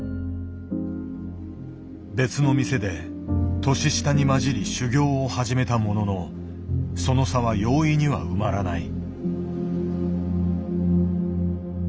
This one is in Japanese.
別の店で年下に交じり修業を始めたもののその差は容易には埋まらない。